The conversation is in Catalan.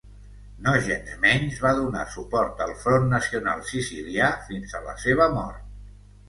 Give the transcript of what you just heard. Nogensmenys, va donar suport al Front Nacional Sicilià fins a la seva mort.